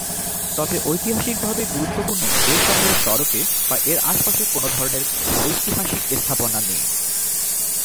তবে ঐতিহাসিকভাবে গুরুত্বপূর্ণ এ শহরের সড়কে বা এর আশেপাশে কোনো ধরনের ঐতিহাসিক স্থাপনা নেই।